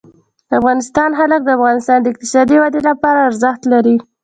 د افغانستان جلکو د افغانستان د اقتصادي ودې لپاره ارزښت لري.